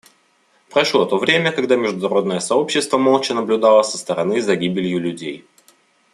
Прошло то время, когда международное сообщество молча наблюдало со стороны за гибелью людей.